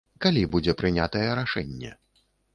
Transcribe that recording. Калі будзе прынятае рашэнне?